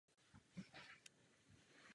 Klenutá kruchta je pozdně gotická.